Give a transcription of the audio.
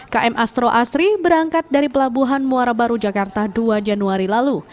km astro asri berangkat dari pelabuhan muara baru jakarta dua januari lalu